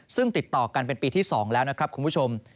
ซึ่งติดต่อกันเป็นปีที่๒แล้วนะครับคุณผู้ชม